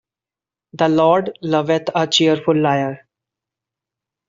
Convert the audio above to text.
The Lord loveth a cheerful liar.